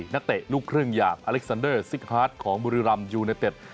นักเตะลูกครึ่งอย่างอเล็กซันเดอร์ซิกฮาร์ดของบุรีรำยูเนเต็ด